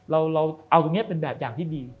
เราเอาตรงนี้เป็นแบบอย่างที่ดี